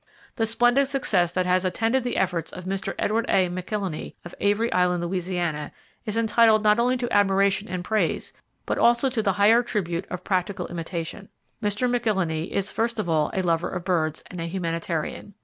The splendid success that has attended the efforts of Mr. Edward A. McIlhenny, of Avery Island, Louisiana, is entitled not only to admiration and praise, but also to the higher tribute of practical imitation. Mr. McIlhenny is, first of all, a lover of birds, and a humanitarian.